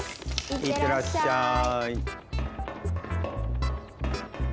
いってらっしゃい。